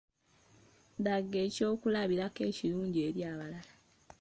Laga ekyokulabirako Ekirungi eri abalala.